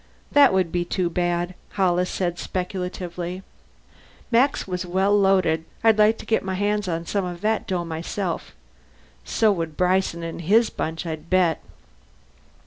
"That would be too bad," Hollis said speculatively. "Max was well loaded. I'd like to get my hands into some of that dough myself. So would Bryson and his bunch, I'll bet."